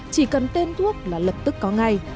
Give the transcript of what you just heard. chỉ cần tên thuốc là lập tức có ngay